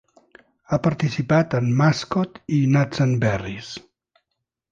Ha participat en "Mascot" i "Nuts and Berries".